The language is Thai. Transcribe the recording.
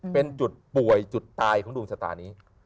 เป็นจุดป่วยจุดตายของดวงชะตานี้